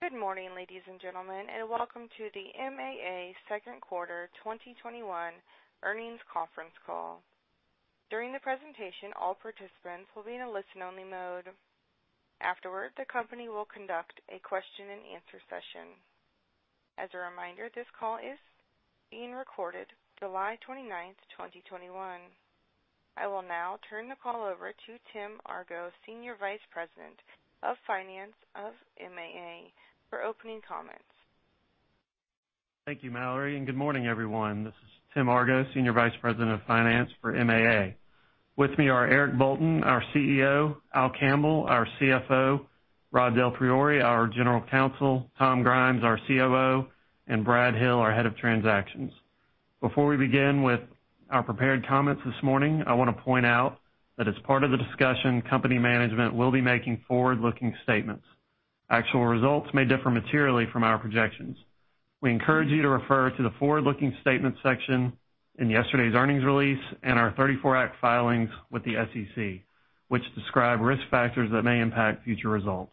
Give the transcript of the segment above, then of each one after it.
Good morning, ladies and gentlemen, welcome to the MAA second quarter 2021 earnings conference call. During the presentation, all participants will be in a listen-only mode. Afterward, the company will conduct a question and answer session. As a reminder, this call is being recorded July 29th, 2021. I will now turn the call over to Tim Argo, Senior Vice President of Finance of MAA, for opening comments. Thank you, Mallory. Good morning, everyone. This is Tim Argo, Senior Vice President of Finance for MAA. With me are Eric Bolton, our CEO, Albert M. Campbell III, our CFO, Robert DelPriore, our General Counsel, Thomas L. Grimes, Jr., our COO, and A. Bradley Hill, our Head of Transactions. Before we begin with our prepared comments this morning, I want to point out that as part of the discussion, company management will be making forward-looking statements. Actual results may differ materially from our projections. We encourage you to refer to the forward-looking statements section in yesterday's earnings release and our 34 Act filings with the SEC, which describe risk factors that may impact future results.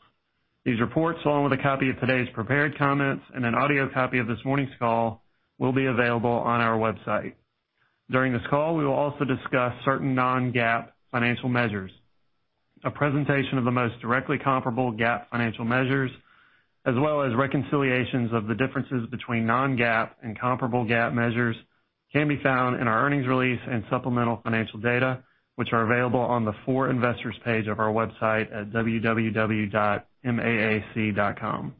These reports, along with a copy of today's prepared comments and an audio copy of this morning's call, will be available on our website. During this call, we will also discuss certain Non-GAAP financial measures. A presentation of the most directly comparable GAAP financial measures, as well as reconciliations of the differences between Non-GAAP and comparable GAAP measures, can be found in our earnings release and supplemental financial data, which are available on the For Investors page of our website at www.maac.com.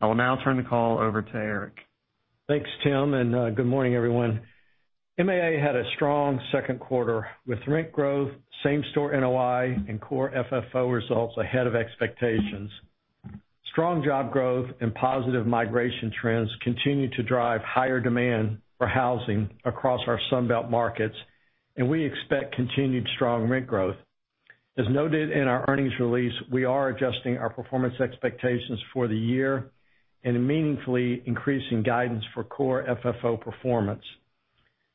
I will now turn the call over to Eric. Thanks, Tim, and good morning, everyone. MAA had a strong second quarter with rent growth, Same-Store NOI, and Core FFO results ahead of expectations. Strong job growth and positive migration trends continue to drive higher demand for housing across our Sun Belt markets, and we expect continued strong rent growth. As noted in our earnings release, we are adjusting our performance expectations for the year and meaningfully increasing guidance for Core FFO performance.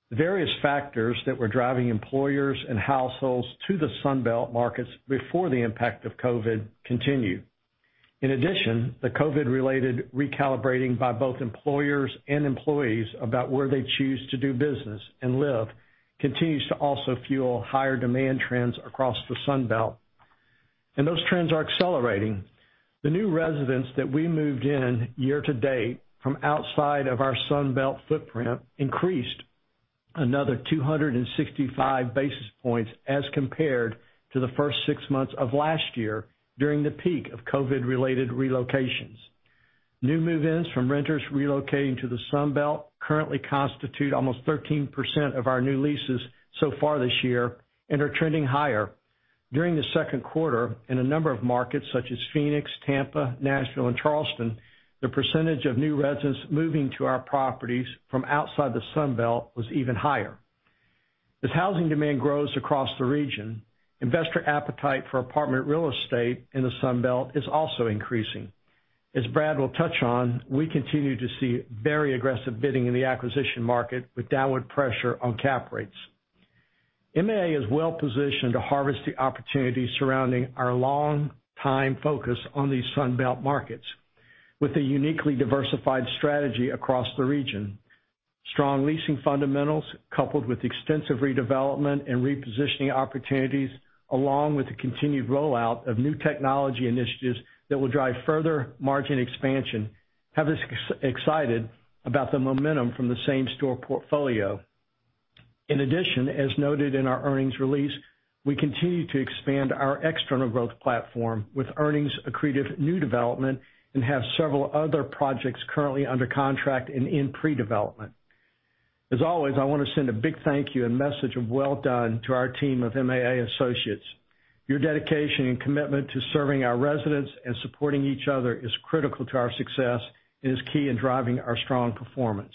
The various factors that were driving employers and households to the Sun Belt markets before the impact of COVID continue. In addition, the COVID-related recalibrating by both employers and employees about where they choose to do business and live continues to also fuel higher demand trends across the Sun Belt, and those trends are accelerating. The new residents that we moved in year to date from outside of our Sun Belt footprint increased another 265 basis points as compared to the first 6 months of last year during the peak of COVID-related relocations. New move-ins from renters relocating to the Sun Belt currently constitute almost 13% of our new leases so far this year and are trending higher. During the second quarter, in a number of markets such as Phoenix, Tampa, Nashville, and Charleston, the percentage of new residents moving to our properties from outside the Sun Belt was even higher. As housing demand grows across the region, investor appetite for apartment real estate in the Sun Belt is also increasing. As Brad will touch on, we continue to see very aggressive bidding in the acquisition market with downward pressure on cap rates. MAA is well positioned to harvest the opportunities surrounding our long-time focus on these Sun Belt markets with a uniquely diversified strategy across the region. Strong leasing fundamentals, coupled with extensive redevelopment and repositioning opportunities, along with the continued rollout of new technology initiatives that will drive further margin expansion, have us excited about the momentum from the Same-Store portfolio. In addition, as noted in our earnings release, we continue to expand our external growth platform with earnings-accretive new development and have several other projects currently under contract and in pre-development. As always, I want to send a big thank you and message of well done to our team of MAA associates. Your dedication and commitment to serving our residents and supporting each other is critical to our success and is key in driving our strong performance.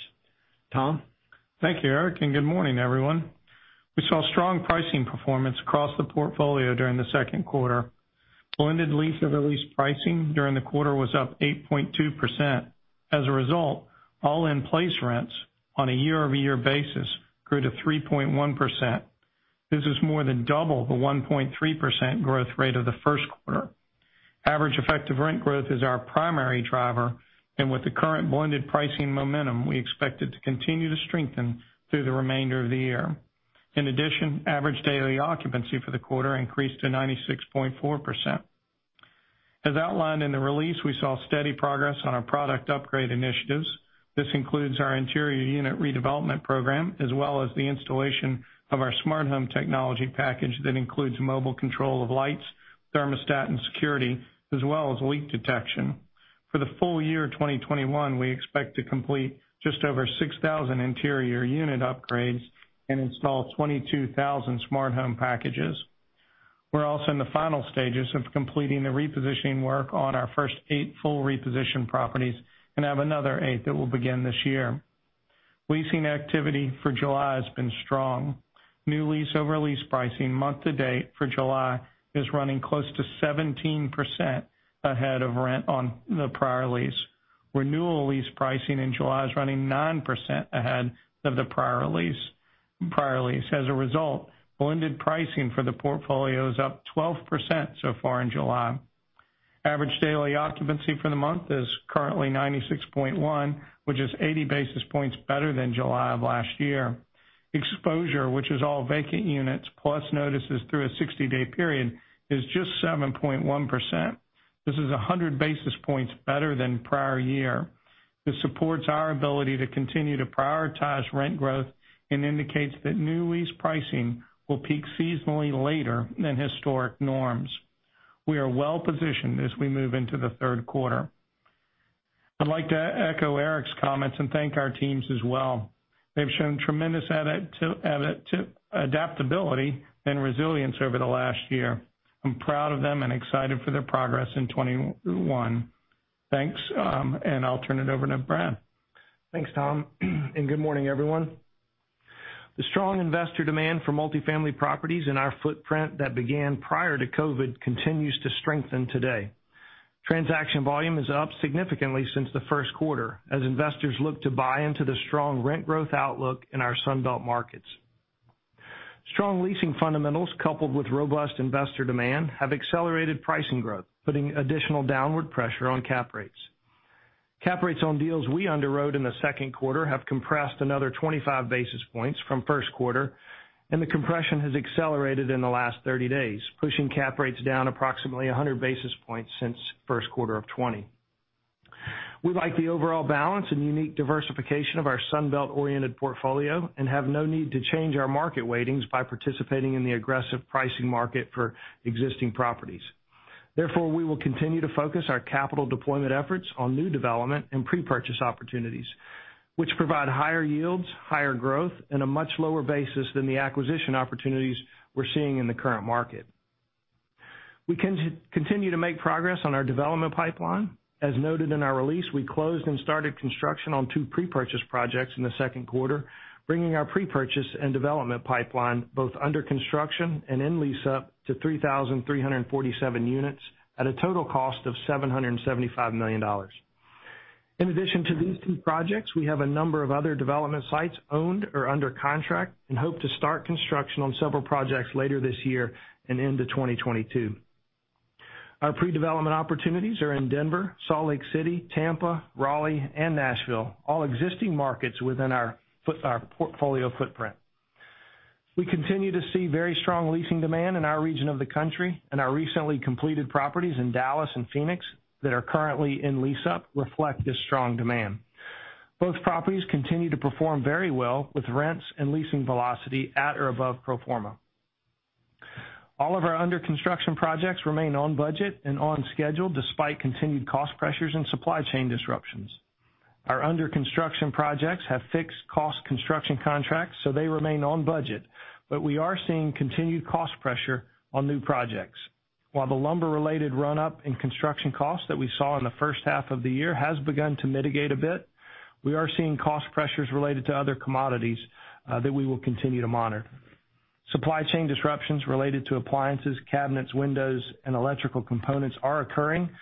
Tom? Thank you, Eric. Good morning, everyone. We saw strong pricing performance across the portfolio during the second quarter. Blended lease-over-lease pricing during the quarter was up 8.2%. As a result, all in-place rents on a year-over-year basis grew to 3.1%. This is more than double the 1.3% growth rate of the first quarter. Average effective rent growth is our primary driver, and with the current blended pricing momentum, we expect it to continue to strengthen through the remainder of the year. In addition, average daily occupancy for the quarter increased to 96.4%. As outlined in the release, we saw steady progress on our product upgrade initiatives. This includes our interior unit redevelopment program, as well as the installation of our smart home technology package that includes mobile control of lights, thermostat, and security, as well as leak detection. For the full year 2021, we expect to complete just over 6,000 interior unit upgrades and install 22,000 smart home packages. We're also in the final stages of completing the repositioning work on our first eight full reposition properties and have another eight that will begin this year. Leasing activity for July has been strong. New lease-over-lease pricing month to date for July is running close to 17% ahead of rent on the prior lease. Renewal lease pricing in July is running 9% ahead of the prior lease. Priorly. As a result, blended pricing for the portfolio is up 12% so far in July. Average daily occupancy for the month is currently 96.1, which is 80 basis points better than July of last year. Exposure, which is all vacant units plus notices through a 60-day period, is just 7.1%. This is 100 basis points better than prior year. This supports our ability to continue to prioritize rent growth and indicates that new lease pricing will peak seasonally later than historic norms. We are well-positioned as we move into the third quarter. I'd like to echo Eric's comments and thank our teams as well. They've shown tremendous adaptability and resilience over the last year. I'm proud of them and excited for their progress in 2021. Thanks. I'll turn it over to Brad. Thanks, Tom. Good morning, everyone. The strong investor demand for multifamily properties in our footprint that began prior to COVID continues to strengthen today. Transaction volume is up significantly since the first quarter, as investors look to buy into the strong rent growth outlook in our Sun Belt markets. Strong leasing fundamentals coupled with robust investor demand have accelerated pricing growth, putting additional downward pressure on cap rates. Cap rates on deals we underwrote in the second quarter have compressed another 25 basis points from first quarter, and the compression has accelerated in the last 30 days, pushing cap rates down approximately 100 basis points since first quarter of 2020. We like the overall balance and unique diversification of our Sun Belt-oriented portfolio and have no need to change our market weightings by participating in the aggressive pricing market for existing properties. We will continue to focus our capital deployment efforts on new development and pre-development opportunities, which provide higher yields, higher growth, and a much lower basis than the acquisition opportunities we're seeing in the current market. We continue to make progress on our development pipeline. As noted in our release, we closed and started construction on 2 pre-development projects in Q2, bringing our pre-development and development pipeline, both under construction and in lease up to 3,347 units at a total cost of $775 million. In addition to these 2 projects, we have a number of other development sites owned or under contract and hope to start construction on several projects later this year and into 2022. Our pre-development opportunities are in Denver, Salt Lake City, Tampa, Raleigh, and Nashville, all existing markets within our portfolio footprint. We continue to see very strong leasing demand in our region of the country, and our recently completed properties in Dallas and Phoenix that are currently in lease up reflect this strong demand. Both properties continue to perform very well with rents and leasing velocity at or above pro forma. All of our under-construction projects remain on budget and on schedule despite continued cost pressures and supply chain disruptions. Our under-construction projects have fixed cost construction contracts, so they remain on budget, but we are seeing continued cost pressure on new projects. While the lumber-related run-up in construction costs that we saw in the first half of the year has begun to mitigate a bit, we are seeing cost pressures related to other commodities that we will continue to monitor. Supply chain disruptions related to appliances, cabinets, windows, and electrical components are occurring, but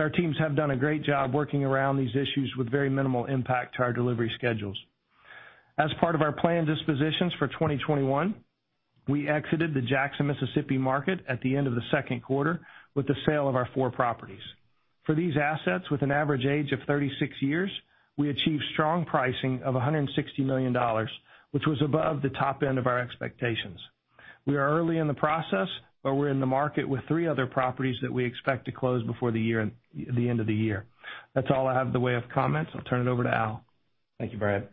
our teams have done a great job working around these issues with very minimal impact to our delivery schedules. As part of our planned dispositions for 2021, we exited the Jackson, Mississippi market at the end of the second quarter with the sale of our four properties. For these assets, with an average age of 36 years, we achieved strong pricing of $160 million, which was above the top end of our expectations. We are early in the process, we're in the market with three other properties that we expect to close before the end of the year. That's all I have in the way of comments. I'll turn it over to Al. Thank you, Brad.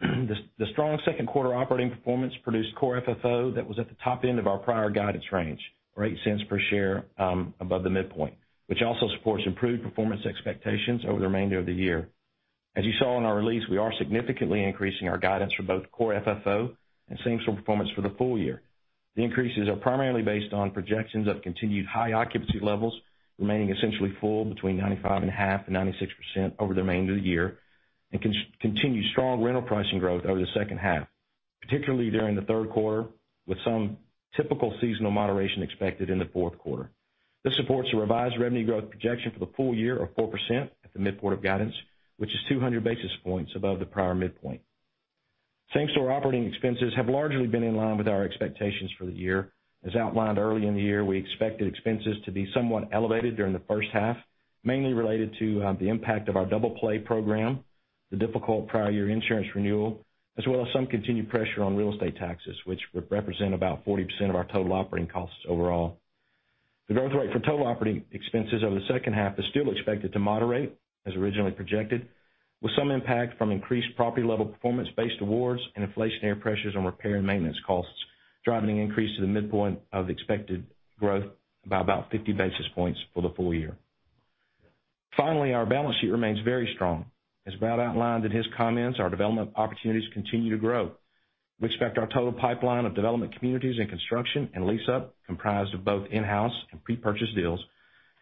The strong second quarter operating performance produced Core FFO that was at the top end of our prior guidance range, or $0.08 per share above the midpoint, which also supports improved performance expectations over the remainder of the year. As you saw in our release, we are significantly increasing our guidance for both Core FFO and Same-Store performance for the full year. The increases are primarily based on projections of continued high occupancy levels remaining essentially full between 95.5%-96% over the remainder of the year, and continued strong rental pricing growth over the second half, particularly during the third quarter, with some typical seasonal moderation expected in the fourth quarter. This supports a revised revenue growth projection for the full year of 4% at the midpoint of guidance, which is 200 basis points above the prior midpoint. Same-store operating expenses have largely been in line with our expectations for the year. As outlined early in the year, we expected expenses to be somewhat elevated during the first half, mainly related to the impact of our Double Play program, the difficult prior year insurance renewal, as well as some continued pressure on real estate taxes, which represent about 40% of our total operating costs overall. The growth rate for total operating expenses over the second half is still expected to moderate as originally projected, with some impact from increased property-level performance-based awards and inflationary pressures on repair and maintenance costs, driving an increase to the midpoint of expected growth by about 50 basis points for the full year. Finally, our balance sheet remains very strong. As Brad outlined in his comments, our development opportunities continue to grow. We expect our total pipeline of development communities in construction and lease-up, comprised of both in-house and pre-development deals,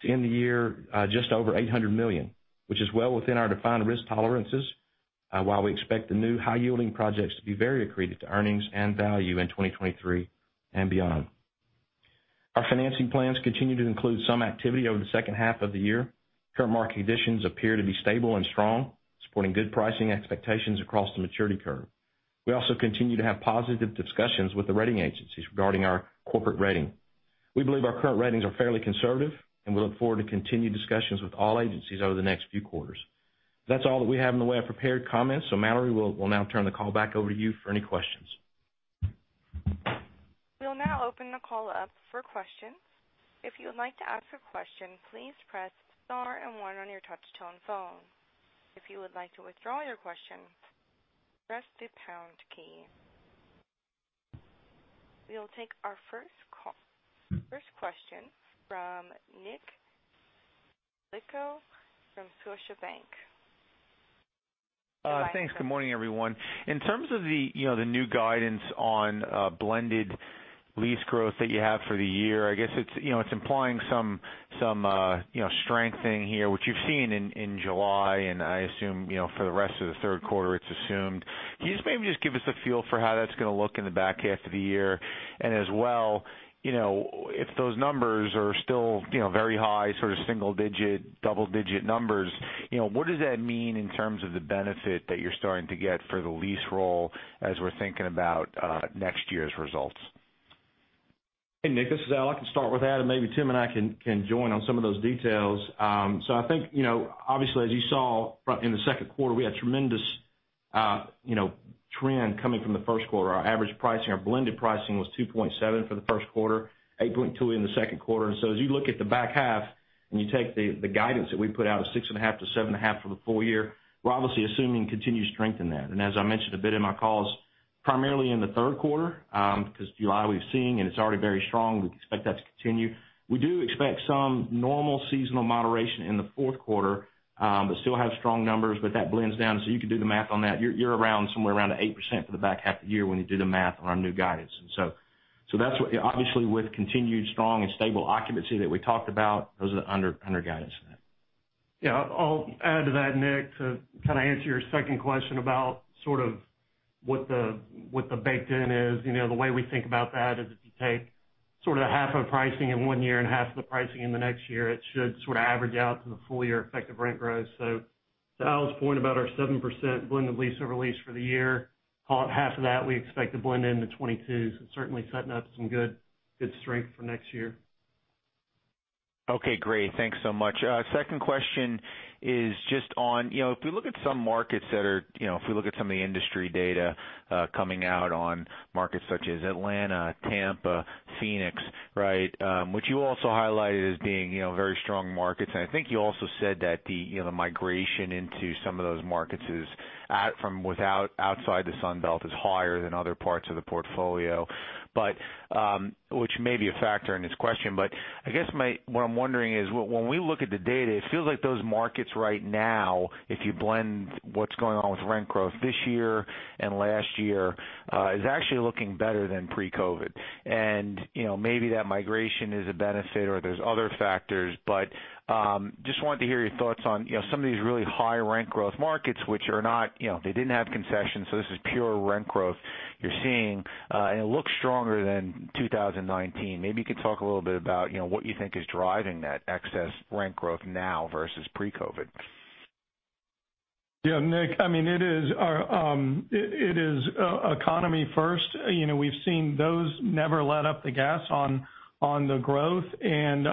to end the year just over $800 million, which is well within our defined risk tolerances, while we expect the new high-yielding projects to be very accretive to earnings and value in 2023 and beyond. Our financing plans continue to include some activity over the second half of the year. Current market conditions appear to be stable and strong, supporting good pricing expectations across the maturity curve. We also continue to have positive discussions with the rating agencies regarding our corporate rating. We believe our current ratings are fairly conservative, and we look forward to continued discussions with all agencies over the next few quarters. Mallory, we'll now turn the call back over to you for any questions. We'll now open the call up for questions. If you would like to ask a question, please press star and 1 on your touch-tone phone. If you would like to withdraw your question, press the pound key. We will take our first question from Nick Yulico from Scotiabank. Thanks. Good morning, everyone. In terms of the new guidance on blended lease growth that you have for the year, I guess it's implying some strengthening here, which you've seen in July, and I assume for the rest of the third quarter, it's assumed. Can you just maybe just give us a feel for how that's going to look in the back half of the year? As well, if those numbers are still very high, sort of single digit, double digit numbers, what does that mean in terms of the benefit that you're starting to get for the lease roll as we're thinking about next year's results? Hey, Nick, this is Al. I can start with that, and maybe Tim and I can join on some of those details. I think, obviously, as you saw in the second quarter, we had tremendous trend coming from the first quarter. Our average pricing, our blended pricing was 2.7 for the first quarter, 8.2 in the second quarter. As you look at the back half and you take the guidance that we put out of 6.5%-7.5% for the full year, we're obviously assuming continued strength in that. As I mentioned a bit in my calls, primarily in the third quarter, because July, we've seen, and it's already very strong. We expect that to continue. We do expect some normal seasonal moderation in the fourth quarter, but still have strong numbers, but that blends down. You can do the math on that. You're somewhere around the 8% for the back half of the year when you do the math on our new guidance. That's what, obviously, with continued strong and stable occupancy that we talked about, those are the under guidance of that. Yeah, I'll add to that, Nick, to kind of answer your second question about sort of what the baked in is. The way we think about that is if you take sort of half of pricing in one year and half of the pricing in the next year, it should sort of average out to the full year Effective Rent Growth. To Al's point about our 7% blended lease-over-lease for the year, call it half of that, we expect to blend into 2022. Certainly setting up some good strength for next year. Okay, great. Thanks so much. Second question is just on if we look at some of the industry data coming out on markets such as Atlanta, Tampa, Phoenix, which you also highlighted as being very strong markets, and I think you also said that the migration into some of those markets from outside the Sun Belt is higher than other parts of the portfolio. Which may be a factor in this question, I guess what I'm wondering is, when we look at the data, it feels like those markets right now, if you blend what's going on with rent growth this year and last year, is actually looking better than pre-COVID. Maybe that migration is a benefit or there's other factors. Just wanted to hear your thoughts on some of these really high rent growth markets they didn't have concessions. This is pure rent growth you're seeing. It looks stronger than 2019. You could talk a little bit about what you think is driving that excess rent growth now versus pre-COVID. Nick, it is economy first. We've seen those never let up the gas on the growth, and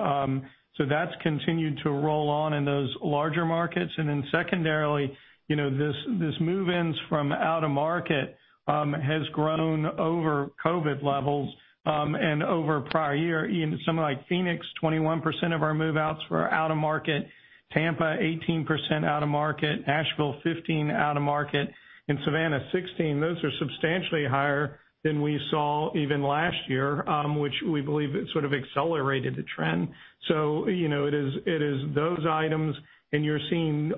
so that's continued to roll on in those larger markets. Secondarily, these move-ins from out-of-market has grown over COVID levels, and over prior year. Even somewhere like Phoenix, 21% of our move-outs were out-of-market. Tampa, 18% out-of-market. Nashville, 15% out-of-market, and Savannah, 16%. Those are substantially higher than we saw even last year, which we believe it sort of accelerated the trend. It is those items, and you're seeing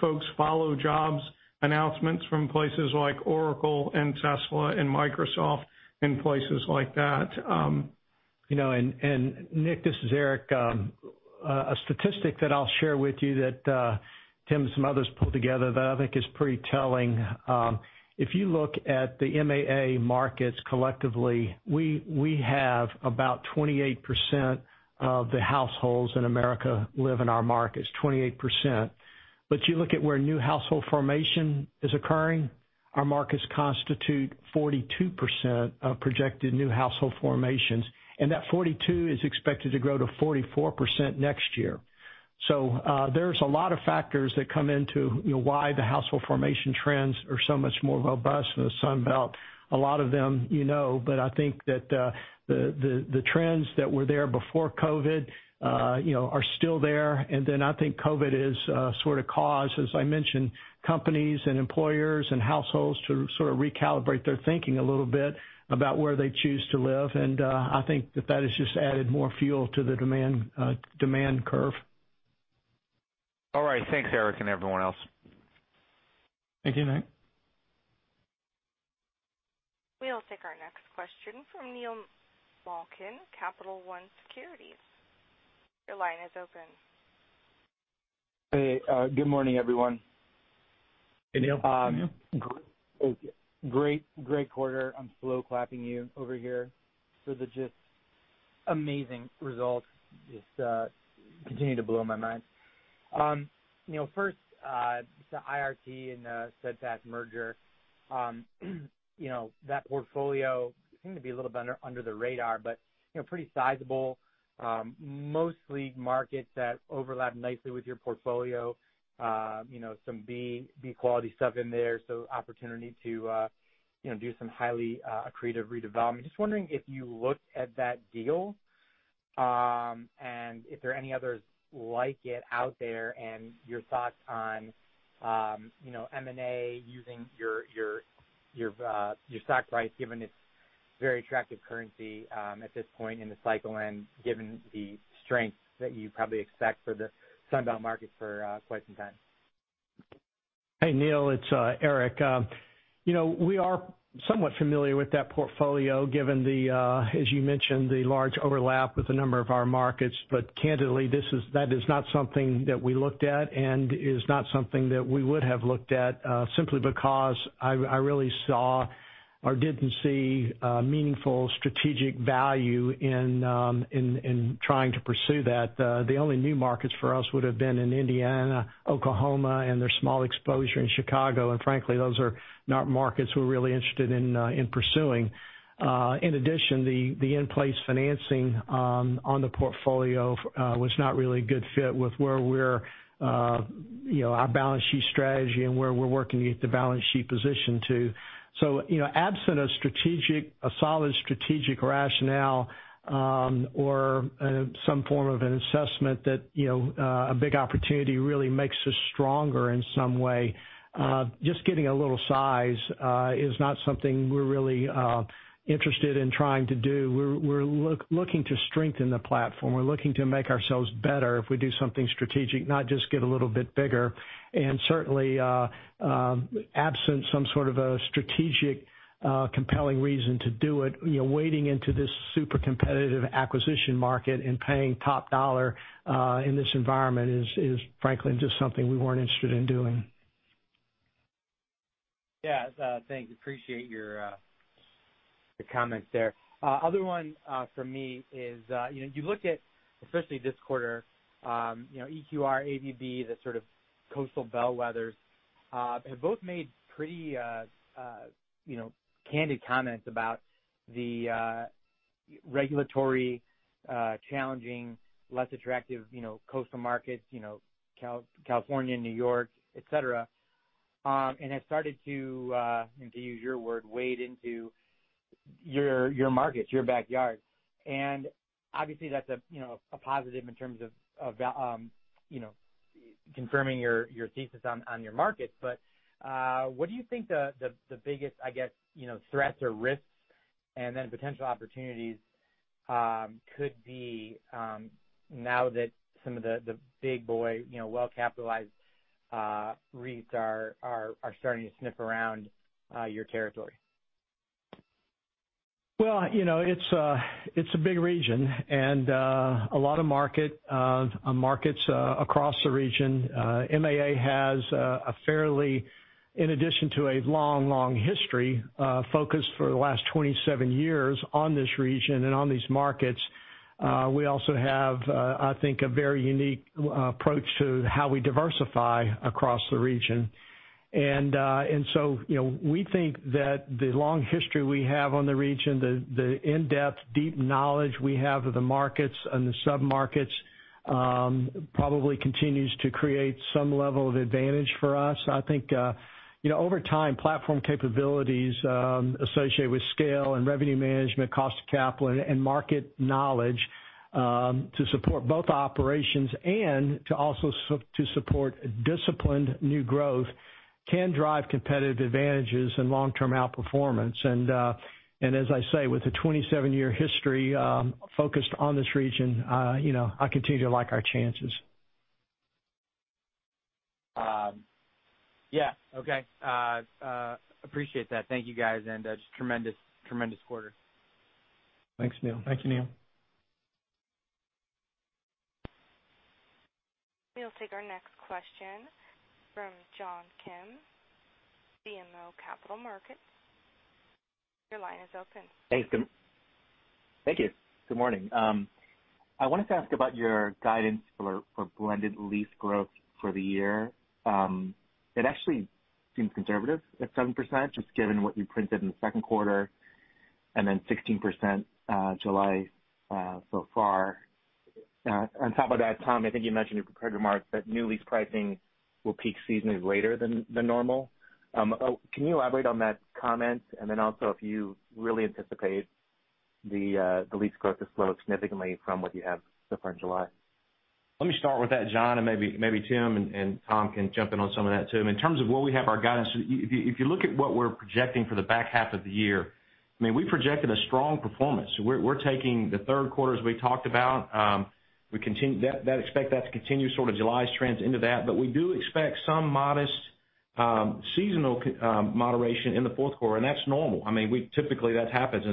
folks follow jobs announcements from places like Oracle, Tesla, Microsoft, and places like that. Nick, this is Eric. A statistic that I'll share with you that Tim and some others pulled together that I think is pretty telling. If you look at the MAA markets collectively, we have about 28% of the households in America live in our markets, 28%. You look at where new household formation is occurring, our markets constitute 42% of projected new household formations, and that 42% is expected to grow to 44% next year. There's a lot of factors that come into why the household formation trends are so much more robust in the Sun Belt. A lot of them you know, but I think that the trends that were there before COVID are still there. I think COVID has sort of caused, as I mentioned, companies and employers and households to sort of recalibrate their thinking a little bit about where they choose to live. I think that has just added more fuel to the demand curve. All right. Thanks, Eric, and everyone else. Thank you, Nick. We'll take our next question from Neil Malkin, Capital One Securities. Your line is open. Hey, good morning, everyone. Hey, Neil. Great quarter. I'm slow clapping you over here for the just amazing results. Just continue to blow my mind. First, the IRT and the Sedlak merger. That portfolio seemed to be a little under the radar, but pretty sizable. Mostly markets that overlap nicely with your portfolio. Some B quality stuff in there, so opportunity to do some highly accretive redevelopment. Just wondering if you looked at that deal, and if there are any others like it out there and your thoughts on M&A using your stock price, given its very attractive currency at this point in the cycle, and given the strength that you probably expect for the Sunbelt market for quite some time. Hey, Neil, it's Eric. We are somewhat familiar with that portfolio given the, as you mentioned, the large overlap with a number of our markets. Candidly, that is not something that we looked at and is not something that we would have looked at, simply because I really saw or didn't see meaningful strategic value in trying to pursue that. The only new markets for us would've been in Indiana, Oklahoma, and their small exposure in Chicago. Frankly, those are not markets we're really interested in pursuing. In addition, the in-place financing on the portfolio was not really a good fit with our balance sheet strategy and where we're working to get the balance sheet position to. Absent a solid strategic rationale, or some form of an assessment that a big opportunity really makes us stronger in some way. Just getting a little size, is not something we're really interested in trying to do. We're looking to strengthen the platform. We're looking to make ourselves better if we do something strategic, not just get a little bit bigger. Certainly, absent some sort of a strategic, compelling reason to do it, wading into this super competitive acquisition market and paying top dollar in this environment is frankly just something we weren't interested in doing. Yeah. Thanks. Appreciate your comment there. Other one from me is, you looked at especially this quarter, EQR, AVB, the sort of coastal bellwethers, have both made pretty candid comments about the regulatory challenging, less attractive coastal markets, California, New York, et cetera. Have started to, and to use your word, wade into your markets, your backyard. Obviously that's a positive in terms of confirming your thesis on your market. What do you think the biggest, I guess, threats or risks and then potential opportunities could be now that some of the big boy well-capitalized REITs are starting to sniff around your territory? Well, it's a big region and a lot of markets across the region. MAA has a fairly, in addition to a long history, focus for the last 27 years on this region and on these markets. We also have, I think, a very unique approach to how we diversify across the region. So we think that the long history we have on the region, the in-depth, deep knowledge we have of the markets and the sub-markets, probably continues to create some level of advantage for us. I think, over time platform capabilities associated with scale and revenue management, cost of capital, and market knowledge to support both operations and to also to support disciplined new growth can drive competitive advantages and long-term outperformance. As I say, with a 27-year history, focused on this region, I continue to like our chances. Yeah. Okay. Appreciate that. Thank you, guys. Just tremendous quarter. Thanks, Neil. Thank you, Neil. We'll take our next question from John Kim, BMO Capital Markets. Your line is open. Thank you. Good morning. I wanted to ask about your guidance for blended lease-over-lease pricing for the year. It actually seems conservative at 7%, just given what you printed in Q2, and then 16% July so far. On top of that, Tom, I think you mentioned in your prepared remarks that new lease pricing will peak seasonally later than normal. Can you elaborate on that comment? Also if you really anticipate the blended lease-over-lease pricing to slow significantly from what you have so far in July. Let me start with that, John, and maybe Tim Argo and Tom Grimes can jump in on some of that too. In terms of where we have our guidance, if you look at what we're projecting for the back half of the year, we projected a strong performance. We're taking the third quarter, as we talked about. Expect that to continue sort of July's trends into that. We do expect some modest- Seasonal moderation in the fourth quarter, that's normal. Typically, that happens.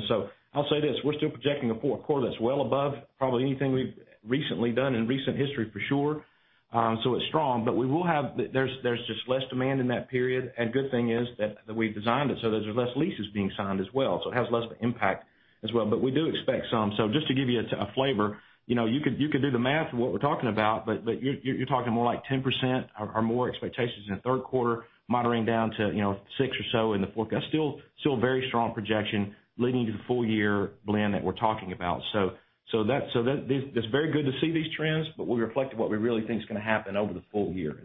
I'll say this, we're still projecting a fourth quarter that's well above probably anything we've recently done in recent history, for sure. It's strong, but there's just less demand in that period. Good thing is that we've designed it so there's less leases being signed as well, so it has less of an impact as well. We do expect some. Just to give you a flavor. You could do the math of what we're talking about, but you're talking more like 10% or more expectations in the third quarter, moderating down to 6 or so in the fourth. Still a very strong projection leading to the full year blend that we're talking about. It's very good to see these trends, but we'll reflect to what we really think is going to happen over the full year.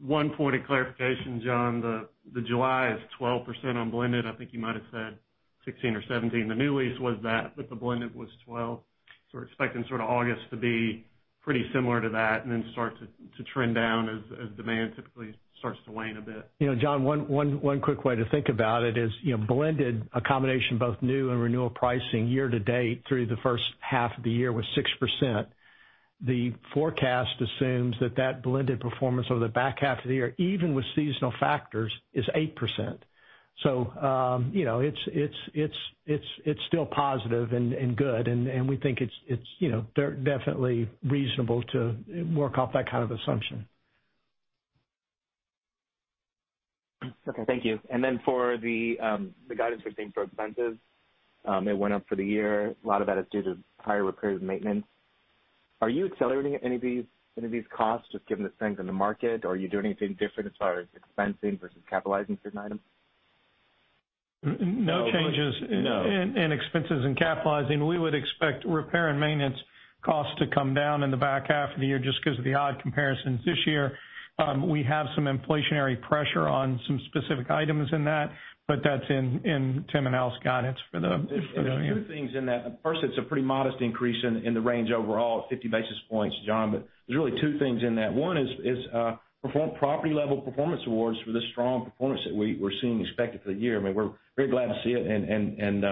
One point of clarification, John. The July is 12% on blended. I think you might have said 16 or 17. The new lease was that, but the blended was 12%. We're expecting sort of August to be pretty similar to that and then start to trend down as demand typically starts to wane a bit. John, one quick way to think about it is, blended a combination both new and renewal pricing year to date through the first half of the year was 6%. The forecast assumes that blended performance over the back half of the year, even with seasonal factors, is 8%. It's still positive and good, and we think it's definitely reasonable to work off that kind of assumption. Okay, thank you. For the guidance we're seeing for expenses, it went up for the year. A lot of that is due to higher repairs and maintenance. Are you accelerating any of these costs, just given the strength in the market? Are you doing anything different as far as expensing versus capitalizing certain items? No changes- No. in expenses and capitalizing. We would expect repair and maintenance costs to come down in the back half of the year just because of the odd comparisons this year. We have some inflationary pressure on some specific items in that, but that's in Tim and Al's guidance for the full year. There's 2 things in that. First, it's a pretty modest increase in the range overall of 50 basis points, John, but there's really 2 things in that. 1 is property-level performance awards for the strong performance that we're seeing expected for the year. We're very glad to see it and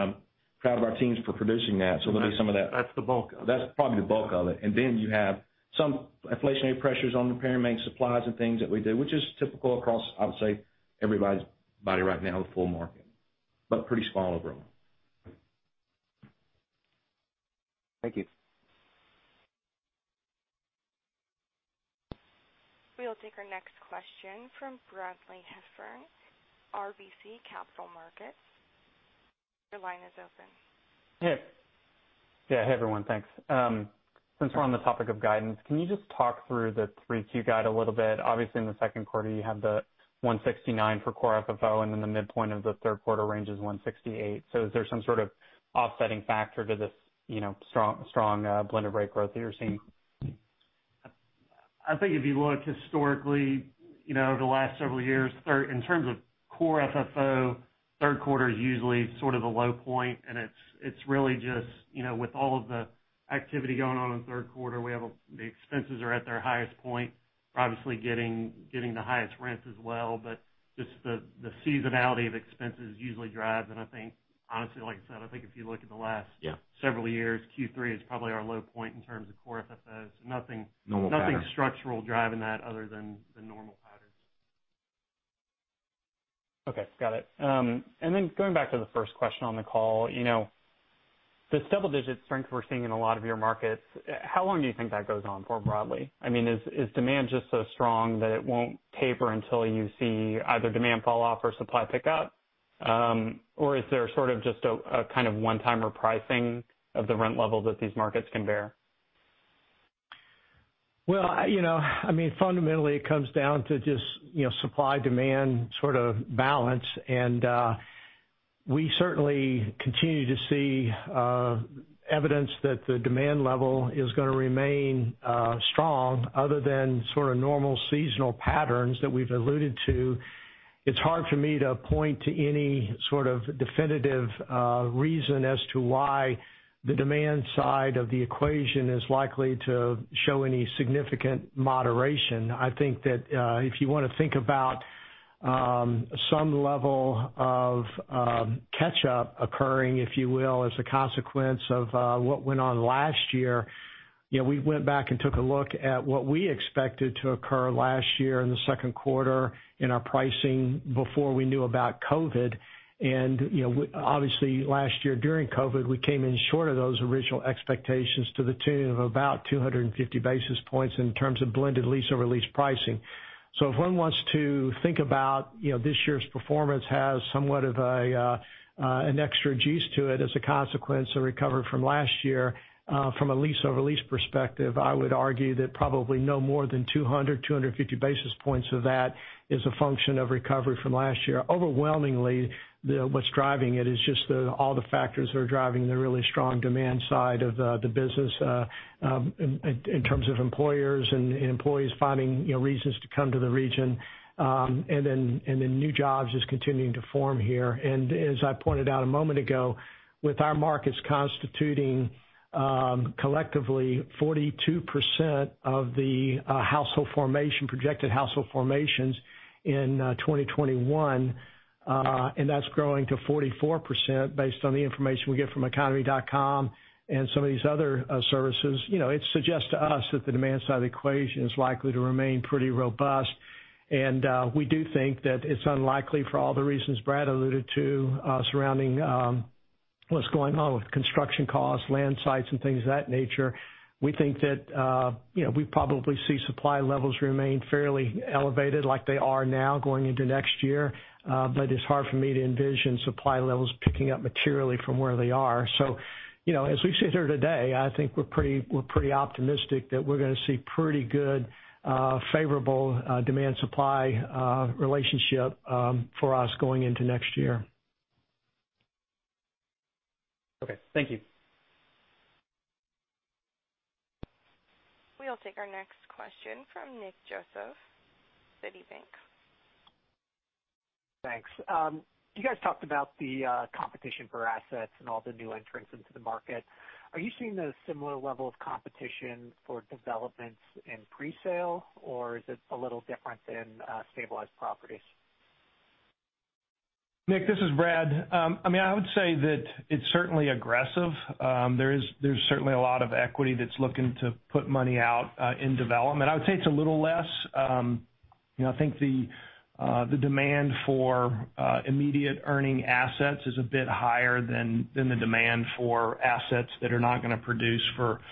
proud of our teams for producing that. There'll be some of that. That's the bulk of it. That's probably the bulk of it. Then you have some inflationary pressures on repair and maintenance supplies and things that we do, which is typical across, I would say, everybody right now in the full market, but pretty small overall. Thank you. We'll take our next question from Brad Heffern, RBC Capital Markets. Your line is open. Yeah. Hey, everyone. Thanks. Since we're on the topic of guidance, can you just talk through the 3Q guide a little bit? Obviously, in the second quarter, you have the $1.69 for Core FFO, and then the midpoint of the third quarter range is $1.68. Is there some sort of offsetting factor to this strong blended rate growth that you're seeing? I think if you look historically over the last several years, in terms of Core FFO, third quarter is usually sort of the low point. It's really just with all of the activity going on in the third quarter, the expenses are at their highest point. We're obviously getting the highest rents as well, just the seasonality of expenses usually drive. I think honestly, like I said. Yeah. several years, Q3 is probably our low point in terms of Core FFO. Normal pattern. structural driving that other than the normal patterns. Okay, got it. Going back to the first question on the call. This double-digit strength we're seeing in a lot of your markets, how long do you think that goes on for, broadly? Is demand just so strong that it won't taper until you see either demand fall off or supply pick up? Is there sort of just a kind of one-timer pricing of the rent level that these markets can bear? Fundamentally, it comes down to just supply-demand sort of balance, and we certainly continue to see evidence that the demand level is going to remain strong other than sort of normal seasonal patterns that we've alluded to. It's hard for me to point to any sort of definitive reason as to why the demand side of the equation is likely to show any significant moderation. I think that if you want to think about some level of catch-up occurring, if you will, as a consequence of what went on last year. We went back and took a look at what we expected to occur last year in the second quarter in our pricing before we knew about COVID. Obviously last year during COVID, we came in short of those original expectations to the tune of about 250 basis points in terms of blended lease-over-lease pricing. If one wants to think about this year's performance has somewhat of an extra juice to it as a consequence of recovery from last year. From a lease-over-lease perspective, I would argue that probably no more than 200, 250 basis points of that is a function of recovery from last year. Overwhelmingly, what's driving it is just all the factors that are driving the really strong demand side of the business in terms of employers and employees finding reasons to come to the region, and then new jobs just continuing to form here. As I pointed out a moment ago, with our markets constituting collectively 42% of the household formation, projected household formations in 2021. That's growing to 44% based on the information we get from economy.com and some of these other services. It suggests to us that the demand side of the equation is likely to remain pretty robust. We do think that it's unlikely for all the reasons Brad alluded to surrounding What's going on with construction costs, land sites, and things of that nature. We think that we probably see supply levels remain fairly elevated like they are now going into next year. It's hard for me to envision supply levels picking up materially from where they are. As we sit here today, I think we're pretty optimistic that we're going to see pretty good favorable demand-supply relationship for us going into next year. Okay. Thank you. We'll take our next question from Nicholas Joseph, Citi. Thanks. You guys talked about the competition for assets and all the new entrants into the market. Are you seeing a similar level of competition for developments in pre-sale, or is it a little different in stabilized properties? Nick, this is Brad. I would say that it's certainly aggressive. There's certainly a lot of equity that's looking to put money out in development. I would say it's a little less. I think the demand for immediate earning assets is a bit higher than the demand for assets that are not going to produce for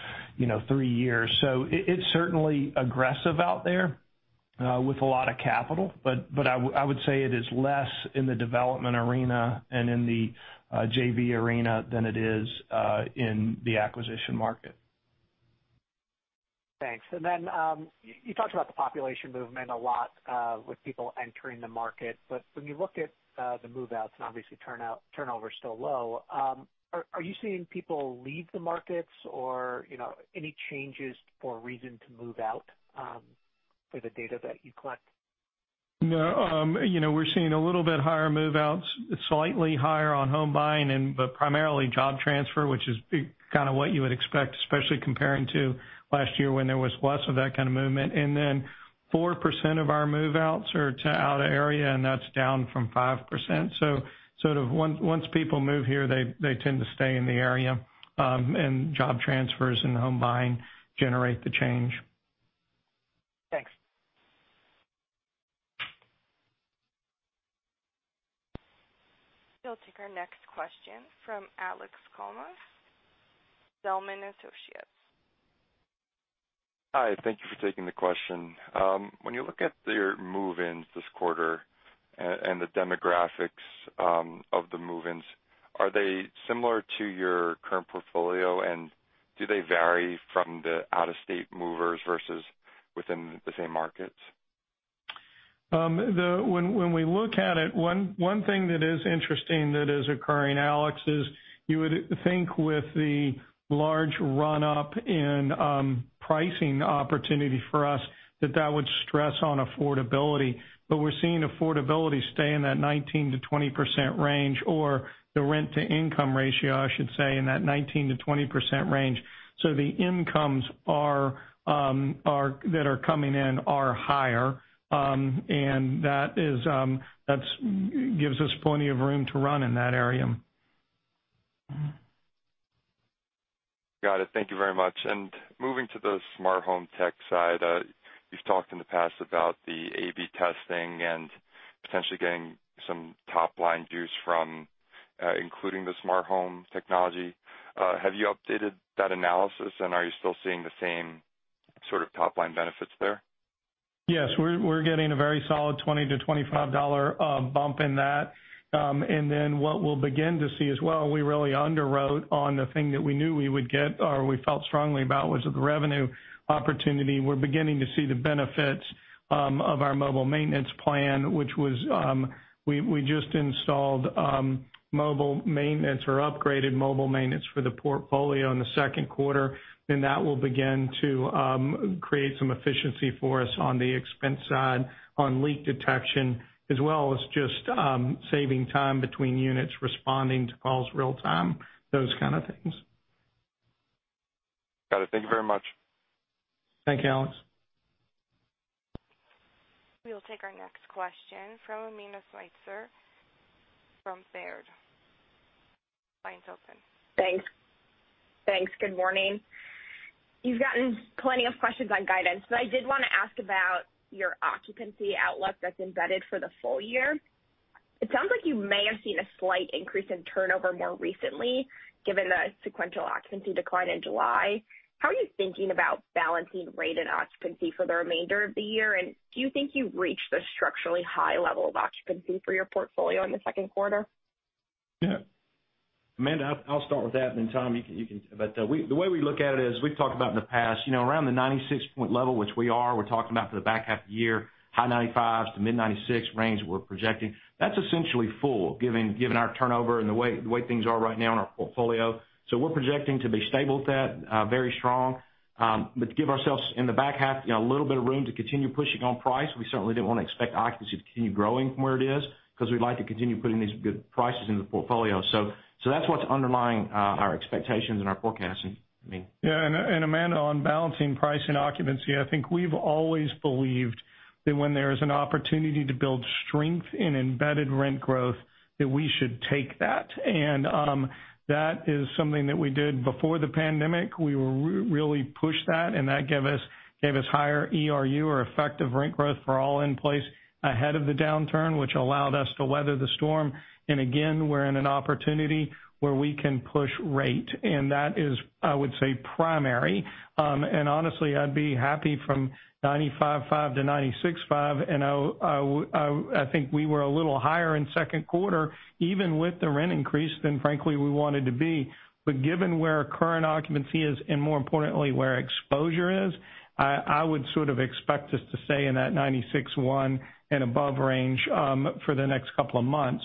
three years. It's certainly aggressive out there with a lot of capital, but I would say it is less in the development arena and in the JV arena than it is in the acquisition market. Thanks. You talked about the population movement a lot with people entering the market. When you look at the move-outs, and obviously turnover is still low, are you seeing people leave the markets or any changes for a reason to move out for the data that you collect? No. We're seeing a little bit higher move-outs, slightly higher on home buying, but primarily job transfer, which is kind of what you would expect, especially comparing to last year when there was less of that kind of movement. 4% of our move-outs are to out-of-area, that's down from 5%. Once people move here, they tend to stay in the area. Job transfers and home buying generate the change. Thanks. We'll take our next question from Alex Goldfarb, Piper Sandler. Hi. Thank you for taking the question. When you look at your move-ins this quarter and the demographics of the move-ins, are they similar to your current portfolio, and do they vary from the out-of-state movers versus within the same markets? When we look at it, one thing that is interesting that is occurring, Alex, is you would think with the large run-up in pricing opportunity for us that that would stress on affordability. We're seeing affordability stay in that 19%-20% range, or the rent-to-income ratio, I should say, in that 19%-20% range. The incomes that are coming in are higher. That gives us plenty of room to run in that area. Got it. Thank you very much. Moving to the Smart Home tech side, you've talked in the past about the A/B testing and potentially getting some top-line views from including the Smart Home technology. Have you updated that analysis, and are you still seeing the same sort of top-line benefits there? Yes, we're getting a very solid $20-$25 bump in that. What we'll begin to see as well, we really underwrote on the thing that we knew we would get, or we felt strongly about, was the revenue opportunity. We're beginning to see the benefits of our mobile maintenance plan, which we just installed mobile maintenance or upgraded mobile maintenance for the portfolio in the second quarter. That will begin to create some efficiency for us on the expense side on leak detection, as well as just saving time between units, responding to calls real-time, those kind of things. Got it. Thank you very much. Thank you, Alex. We will take our next question from Amanda Sweitzer from Baird. Line's open. Thanks. Good morning. You've gotten plenty of questions on guidance. I did want to ask about your occupancy outlook that's embedded for the full year. It sounds like you may have seen a slight increase in turnover more recently, given the sequential occupancy decline in July. How are you thinking about balancing rate and occupancy for the remainder of the year? Do you think you've reached the structurally high level of occupancy for your portfolio in the second quarter? Yeah. Amanda, I'll start with that, and then Tom, you can. The way we look at it is we've talked about in the past, around the 96-point level, which we are. We're talking about for the back half of the year, high 95s to mid-96 range that we're projecting. That's essentially full, given our turnover and the way things are right now in our portfolio. We're projecting to be stable at that, very strong. To give ourselves in the back half, a little bit of room to continue pushing on price. We certainly didn't want to expect occupancy to continue growing from where it is because we'd like to continue putting these good prices in the portfolio. That's what's underlying our expectations and our forecasting. I mean. Amanda, on balancing price and occupancy, I think we've always believed that when there is an opportunity to build strength in embedded rent growth, that we should take that. That is something that we did before the pandemic. We really pushed that, and that gave us higher ERG or effective rent growth for all in place ahead of the downturn, which allowed us to weather the storm. Again, we're in an opportunity where we can push rate, and that is, I would say, primary. Honestly, I'd be happy from 95.5% to 96.5%, and I think we were a little higher in second quarter, even with the rent increase than frankly we wanted to be. Given where our current occupancy is, and more importantly, where exposure is, I would sort of expect us to stay in that 96.1 and above range for the next couple of months.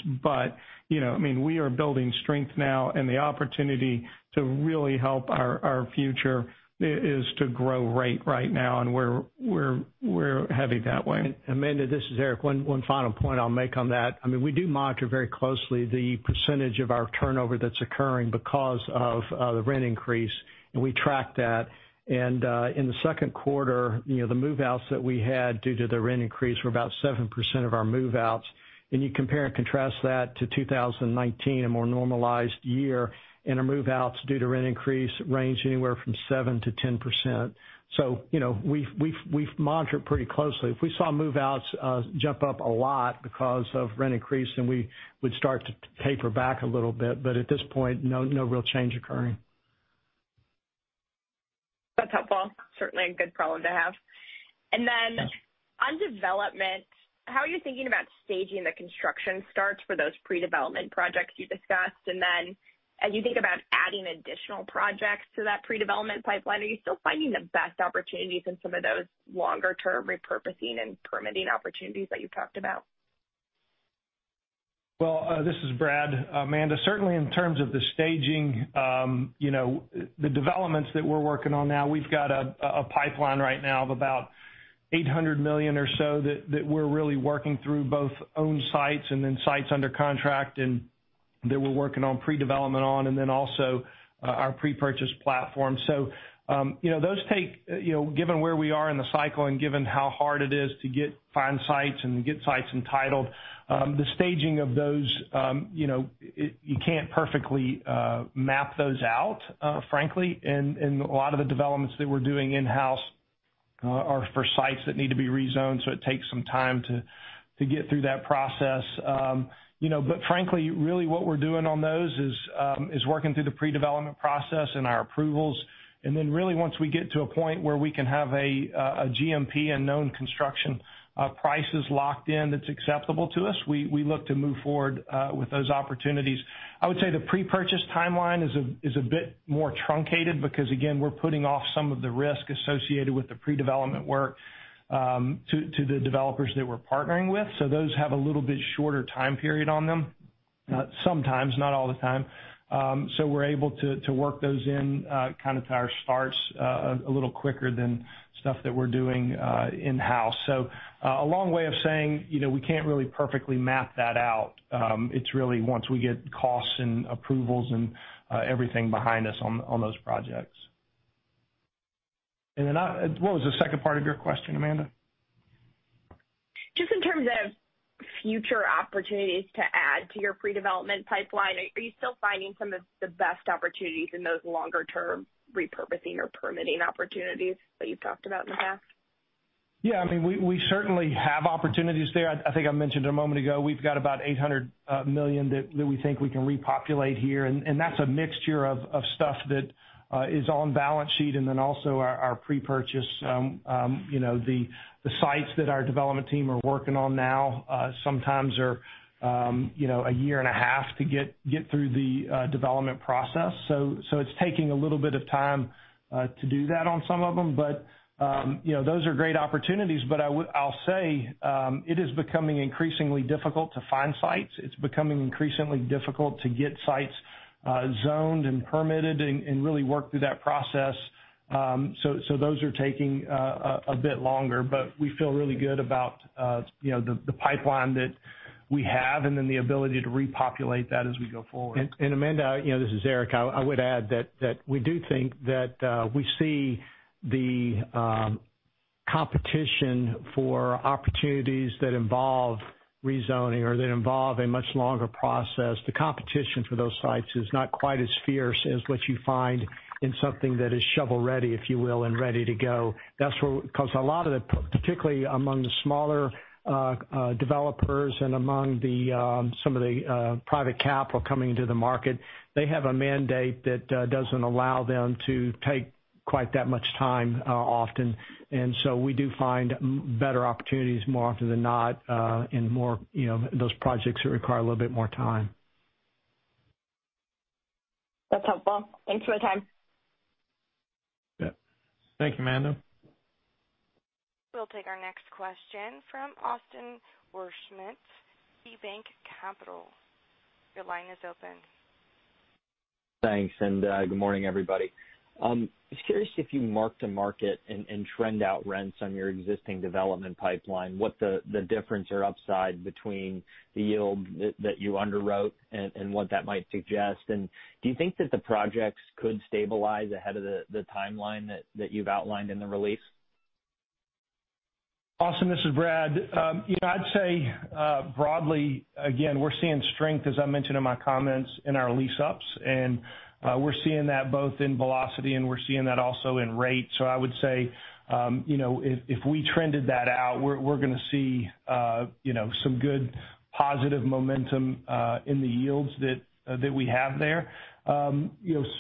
We are building strength now, and the opportunity to really help our future is to grow rate right now, and we're headed that way. Amanda, this is Eric. One final point I'll make on that. We do monitor very closely the percentage of our turnover that's occurring because of the rent increase, and we track that. In the second quarter, the move-outs that we had due to the rent increase were about 7% of our move-outs. You compare and contrast that to 2019, a more normalized year, and our move-outs due to rent increase range anywhere from 7%-10%. We've monitored pretty closely. If we saw move-outs jump up a lot because of rent increase, then we would start to taper back a little bit. At this point, no real change occurring. That's helpful. Certainly a good problem to have. On development, how are you thinking about staging the construction starts for those pre-development projects you discussed? As you think about adding additional projects to that pre-development pipeline, are you still finding the best opportunities in some of those longer-term repurposing and permitting opportunities that you've talked about? This is Brad. Amanda, certainly in terms of the staging, the developments that we're working on now, we've got a pipeline right now of about $800 million or so that we're really working through, both owned sites and then sites under contract, and that we're working on pre-development on, and then also our pre-development platform. Given where we are in the cycle and given how hard it is to find sites and get sites entitled, the staging of those, you can't perfectly map those out, frankly. A lot of the developments that we're doing in-house are for sites that need to be rezoned, so it takes some time to get through that process. Frankly, really what we're doing on those is working through the pre-development process and our approvals. Really once we get to a point where we can have a GMP and known construction prices locked in that's acceptable to us, we look to move forward with those opportunities. I would say the pre-development timeline is a bit more truncated because, again, we're putting off some of the risk associated with the pre-development work to the developers that we're partnering with. Those have a little bit shorter time period on them. Sometimes, not all the time. We're able to work those in to our starts a little quicker than stuff that we're doing in-house. A long way of saying, we can't really perfectly map that out. It's really once we get costs and approvals and everything behind us on those projects. What was the second part of your question, Amanda? Just in terms of future opportunities to add to your pre-development pipeline, are you still finding some of the best opportunities in those longer-term repurposing or permitting opportunities that you've talked about in the past? Yeah, we certainly have opportunities there. I think I mentioned a moment ago, we've got about $800 million that we think we can repopulate here, and that's a mixture of stuff that is on balance sheet and then also our pre-development. The sites that our development team are working on now sometimes are 1.5 years to get through the development process. It's taking a little bit of time to do that on some of them. Those are great opportunities. I'll say it is becoming increasingly difficult to find sites. It's becoming increasingly difficult to get sites zoned and permitted and really work through that process. Those are taking a bit longer, but we feel really good about the pipeline that we have and then the ability to repopulate that as we go forward. Amanda, this is Eric. I would add that we do think that we see the competition for opportunities that involve rezoning or that involve a much longer process. The competition for those sites is not quite as fierce as what you find in something that is shovel-ready, if you will, and ready to go. A lot of the particularly among the smaller developers and among some of the private capital coming into the market, they have a mandate that doesn't allow them to take quite that much time often. We do find better opportunities more often than not in those projects that require a little bit more time. That's helpful. Thanks for the time. Yeah. Thank you, Amanda. We'll take our next question from Austin Wurschmidt, KeyBanc Capital. Your line is open. Thanks. Good morning, everybody. Just curious if you mark-to-market and trend out rents on your existing development pipeline, what the difference or upside between the yield that you underwrote and what that might suggest? Do you think that the projects could stabilize ahead of the timeline that you've outlined in the release? Austin, this is Brad. I'd say broadly, again, we're seeing strength, as I mentioned in my comments, in our lease-ups, and we're seeing that both in velocity and we're seeing that also in rate. I would say if we trended that out, we're going to see some good positive momentum in the yields that we have there.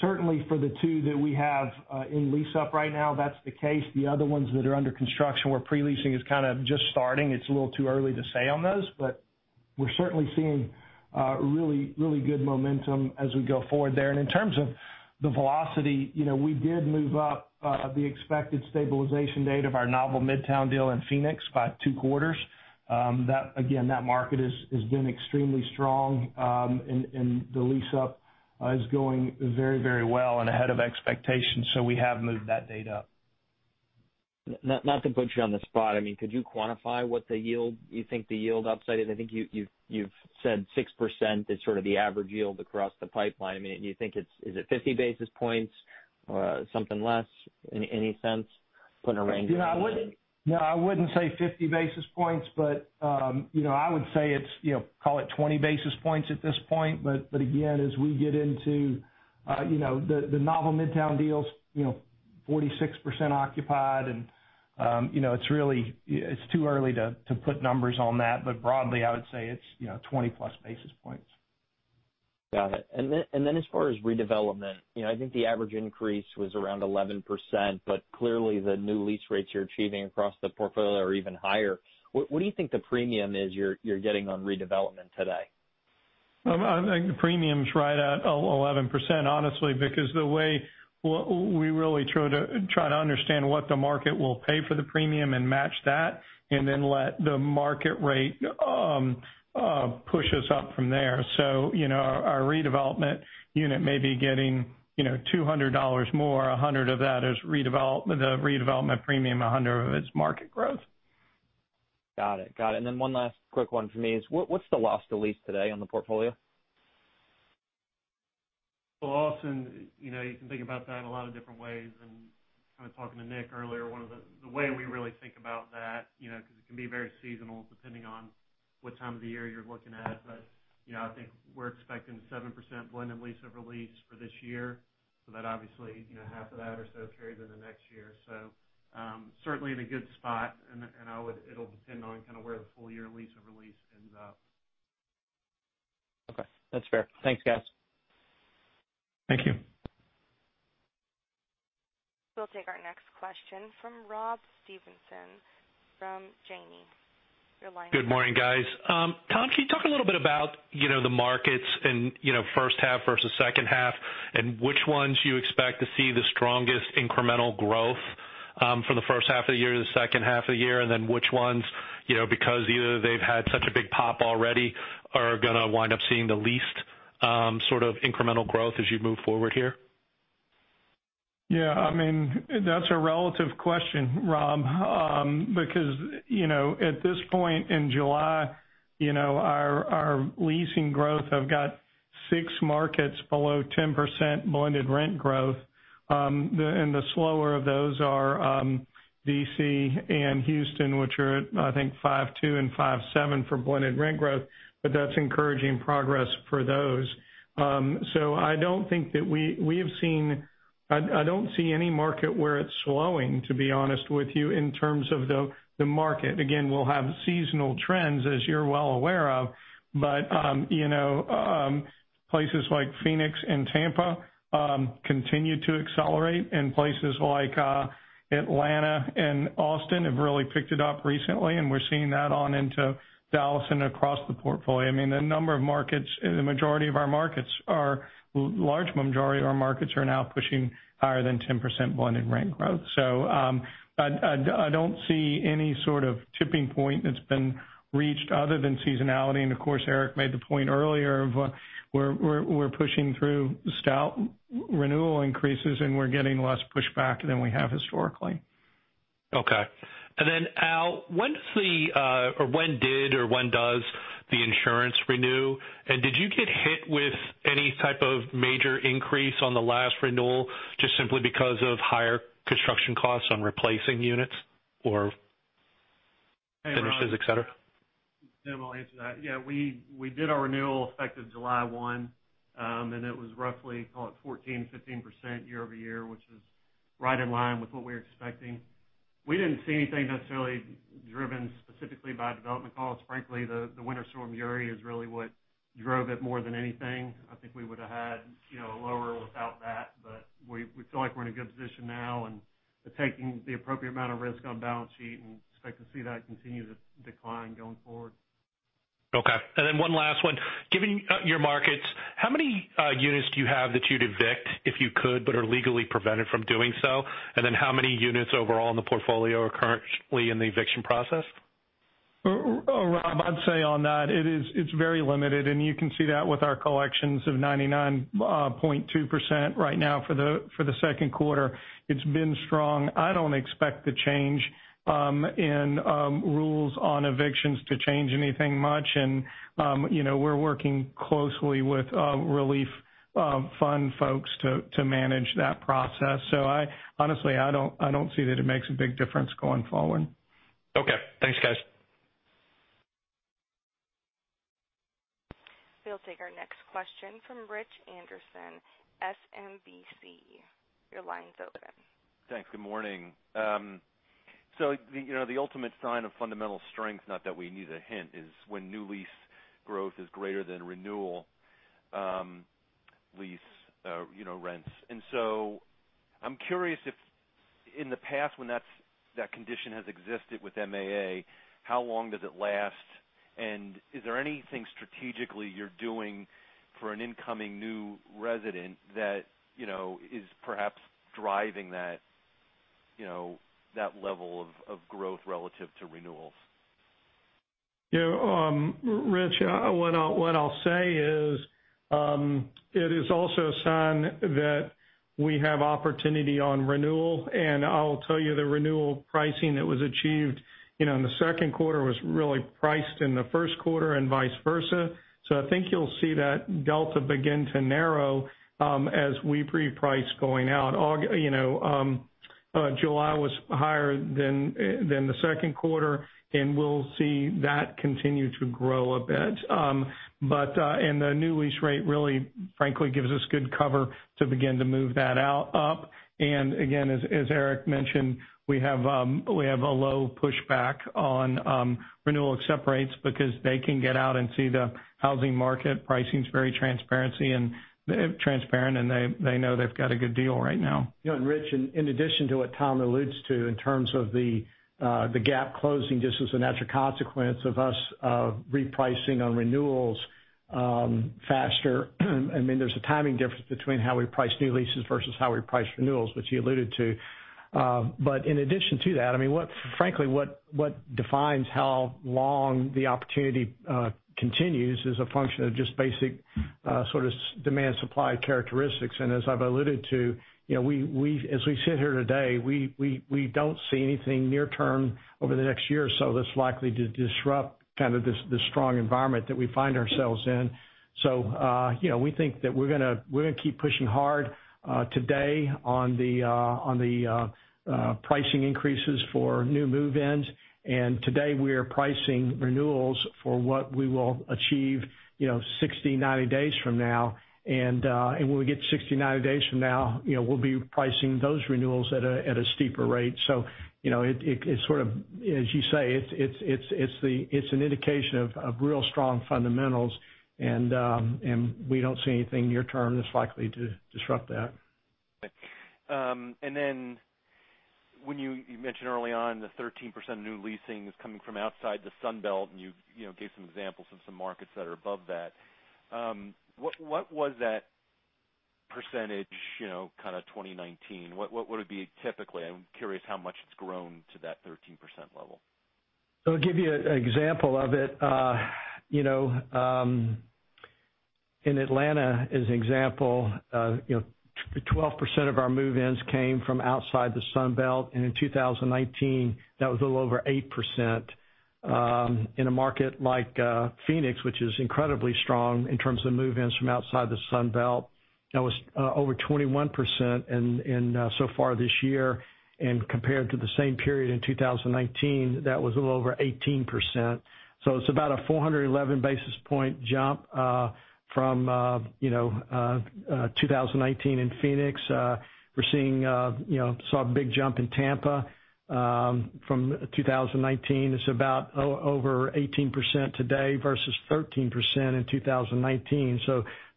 Certainly for the 2 that we have in lease-up right now, that's the case. The other ones that are under construction, where pre-leasing is kind of just starting, it's a little too early to say on those, but we're certainly seeing really good momentum as we go forward there. In terms of the velocity, we did move up the expected stabilization date of our NOVEL Midtown Phoenix by 2 quarters. Again, that market has been extremely strong, and the lease-up is going very well and ahead of expectations, so we have moved that date up. Not to put you on the spot, could you quantify what the yield upside is? I think you've said 6% is sort of the average yield across the pipeline. Do you think is it 50 basis points or something less in any sense? Put a range around it. No, I wouldn't say 50 basis points, but I would say it's, call it 20 basis points at this point. Again, as we get into the NOVEL Midtown deals, 46% occupied and it's too early to put numbers on that. Broadly, I would say it's, 20+ basis points. Got it. As far as redevelopment, I think the average increase was around 11%, but clearly the new lease rates you're achieving across the portfolio are even higher. What do you think the premium is you're getting on redevelopment today? I think the premium's right at 11%, honestly, because the way we really try to understand what the market will pay for the premium and match that, and then let the market rate push us up from there. Our redevelopment unit may be getting $200 more. 100 of that is the redevelopment premium, 100 of it is market growth. Got it. One last quick one for me is what's the loss to lease today on the portfolio? Well, Austin, you can think about that in a lot of different ways. Kind of talking to Nick earlier, the way we really think about that, because it can be very seasonal depending on what time of the year you're looking at. I think we're expecting a 7% blended lease-over-lease for this year. That obviously, half of that or so carries in the next year. Certainly in a good spot, and it'll depend on kind of where the full year lease-over-lease ends up. Okay. That's fair. Thanks, guys. Thank you. We'll take our next question from Robert Stevenson from Janney. Your line's open. Good morning, guys. Tom, can you talk a little bit about the markets and first half versus second half and which ones you expect to see the strongest incremental growth, for the first half of the year to the second half of the year? Which ones, because either they've had such a big pop already, are going to wind up seeing the least sort of incremental growth as you move forward here? That's a relative question, Rob. At this point in July, our leasing growth has got 6 markets below 10% blended rent growth. The slower of those are D.C. and Houston, which are, I think, 5.2% and 5.7% for blended rent growth, but that's encouraging progress for those. I don't see any market where it's slowing, to be honest with you, in terms of the market. We'll have seasonal trends, as you're well aware of, but places like Phoenix and Tampa continue to accelerate, and places like Atlanta and Austin have really picked it up recently, and we're seeing that on into Dallas and across the portfolio. The large majority of our markets are now pushing higher than 10% blended rent growth. I don't see any sort of tipping point that's been reached other than seasonality, and of course, Eric made the point earlier of we're pushing through stout renewal increases, and we're getting less pushback than we have historically. Okay. Al, when did or when does the insurance renew? Did you get hit with any type of major increase on the last renewal, just simply because of higher construction costs on replacing units or finishes, et cetera? Yeah, I'll answer that. Yeah, we did our renewal effective July 1, and it was roughly, call it 14%, 15% year-over-year, which is right in line with what we were expecting. We didn't see anything necessarily driven specifically by development costs. Frankly, the Winter Storm Uri is really what drove it more than anything. I think we would've had a lower without. We feel like we're in a good position now and are taking the appropriate amount of risk on balance sheet, and expect to see that continue to decline going forward. Okay. One last one. Given your markets, how many units do you have that you'd evict if you could, but are legally prevented from doing so? How many units overall in the portfolio are currently in the eviction process? Rob, I'd say on that, it's very limited, and you can see that with our collections of 99.2% right now for the second quarter. It's been strong. I don't expect the change in rules on evictions to change anything much. We're working closely with relief fund folks to manage that process. Honestly, I don't see that it makes a big difference going forward. Okay. Thanks, guys. We'll take our next question from Richard Anderson, SMBC. Your line's open. Thanks. Good morning. The ultimate sign of fundamental strength, not that we need a hint, is when new lease growth is greater than renewal lease rents. I'm curious if in the past, when that condition has existed with MAA, how long does it last? Is there anything strategically you're doing for an incoming new resident that is perhaps driving that level of growth relative to renewals? Rich, what I'll say is, it is also a sign that we have opportunity on renewal. Vice versa. I think you'll see that delta begin to narrow, as we reprice going out. July was higher than the second quarter. We'll see that continue to grow a bit. The new lease rate really, frankly, gives us good cover to begin to move that up. Again, as Eric mentioned, we have a low pushback on renewal accept rates because they can get out and see the housing market pricing's very transparent, and they know they've got a good deal right now. Rich, in addition to what Tom alludes to in terms of the gap closing just as a natural consequence of us repricing on renewals faster. There's a timing difference between how we price new leases versus how we price renewals, which you alluded to. In addition to that, frankly, what defines how long the opportunity continues is a function of just basic sort of demand-supply characteristics. As I've alluded to, as we sit here today, we don't see anything near term over the next year or so that's likely to disrupt kind of this strong environment that we find ourselves in. We think that we're going to keep pushing hard today on the pricing increases for new move-ins. Today, we are pricing renewals for what we will achieve 60 days, 90 days from now. When we get 60 days, 90 days from now, we'll be pricing those renewals at a steeper rate. As you say, it's an indication of real strong fundamentals, and we don't see anything near term that's likely to disrupt that. When you mentioned early on the 13% new leasing is coming from outside the Sun Belt, and you gave some examples of some markets that are above that. What was that percentage kind of 2019? What would it be typically? I'm curious how much it's grown to that 13% level. I'll give you an example of it. In Atlanta, as an example, 12% of our move-ins came from outside the Sun Belt. In 2019, that was a little over 8%. In a market like Phoenix, which is incredibly strong in terms of move-ins from outside the Sun Belt, that was over 21% so far this year. Compared to the same period in 2019, that was a little over 18%. It's about a 411 basis point jump from 2019 in Phoenix. We saw a big jump in Tampa. From 2019, it's about over 18% today versus 13% in 2019.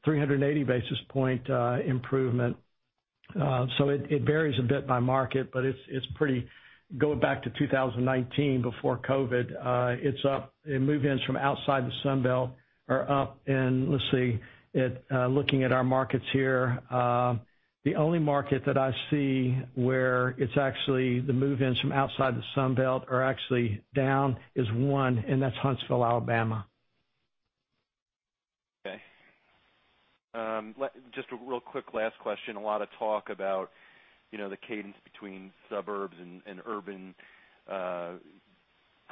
380 basis point improvement. It varies a bit by market, but going back to 2019, before COVID, move-ins from outside the Sun Belt are up. Let's see, looking at our markets here. The only market that I see where the move-ins from outside the Sun Belt are actually down is one, and that's Huntsville, Alabama. Okay. Just a real quick last question. A lot of talk about the cadence between suburbs and urban,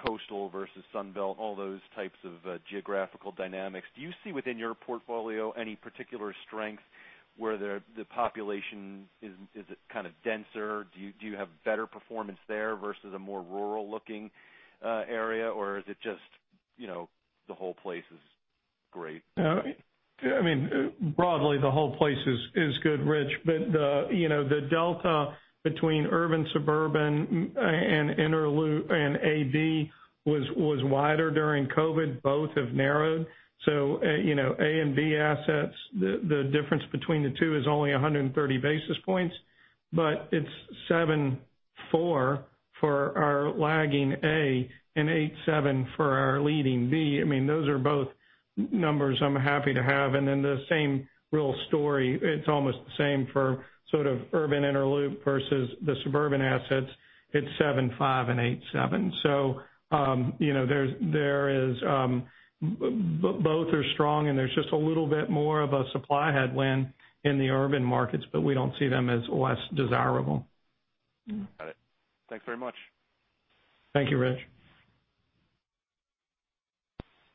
coastal versus Sun Belt, all those types of geographical dynamics. Do you see within your portfolio any particular strength where the population is kind of denser? Do you have better performance there versus a more rural-looking area, or is it just the whole place is great? Broadly, the whole place is good, Rich. The delta between urban, suburban, and A B was wider during COVID. Both have narrowed. A and B assets, the difference between the two is only 130 basis points, but it's 7.4 for our lagging A and 8.7 for our leading B. Those are both numbers I'm happy to have. The same real story, it's almost the same for sort of urban inner loop versus the suburban assets. It's 7.5 and 8.7. Both are strong, and there's just a little bit more of a supply headwind in the urban markets, but we don't see them as less desirable. Got it. Thanks very much. Thank you, Rich.